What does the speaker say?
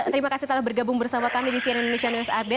terima kasih telah bergabung bersama kami di sian indonesian wsrb